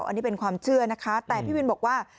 อันนี้เป็นความเชื่อนะคะแต่พี่วินบอกว่า